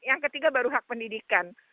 yang ketiga baru hak pendidikan